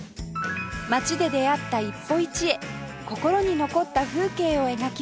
街で出会った一歩一会心に残った風景を描きます